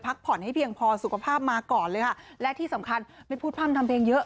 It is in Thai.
ผ่อนให้เพียงพอสุขภาพมาก่อนเลยค่ะและที่สำคัญไม่พูดพร่ำทำเพลงเยอะ